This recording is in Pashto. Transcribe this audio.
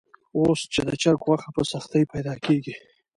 اوس چې د چرګ غوښه په سختۍ پیدا کېږي.